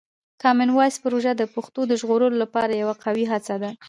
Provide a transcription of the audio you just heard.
کامن وایس پروژه د پښتو د ژغورلو لپاره یوه قوي هڅه ده.